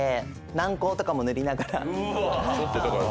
軟こうとかも塗りながら。